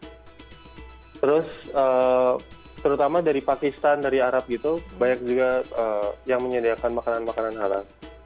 terus terutama dari pakistan dari arab gitu banyak juga yang menyediakan makanan makanan halal